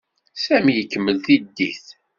Sami ikemmel tiddit.